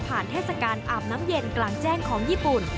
เทศกาลอาบน้ำเย็นกลางแจ้งของญี่ปุ่น